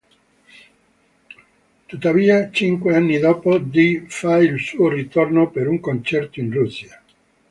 Tuttavia, cinque anni dopo Dee fa il suo ritorno per un concerto in Russia.